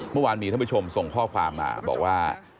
เมื่อวานมีท่านผู้ชมส่งข้อความมาบอกว่า